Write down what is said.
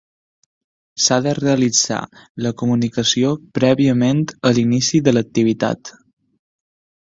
S'ha de realitzar la comunicació prèviament a l'inici de l'activitat.